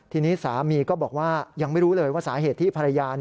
ทีนี้สามีก็บอกว่ายังไม่รู้เลยว่าสาเหตุที่ภรรยา